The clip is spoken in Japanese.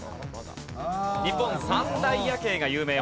日本三大夜景が有名。